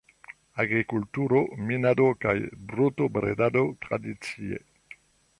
Agrikulturo, minado kaj brutobredado tradicie.